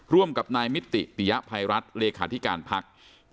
ร่วมกับนายมิติปิยภัยรัฐเลขาธิการพัก